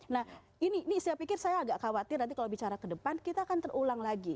nah ini saya pikir saya agak khawatir nanti kalau bicara ke depan kita akan terulang lagi